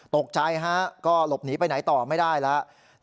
ตกใจฮะก็หลบหนีไปไหนต่อไม่ได้แล้ว